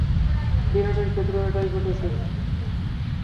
বিরাটের ক্ষেত্রেও এটাই ঘটছে।